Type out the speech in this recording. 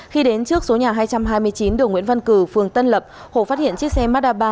khi đến trước số nhà hai trăm hai mươi chín đường nguyễn văn cử phường tân lập hổ phát hiện chiếc xe madaba